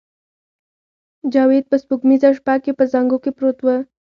جاوید په سپوږمیزه شپه کې په زانګو کې پروت و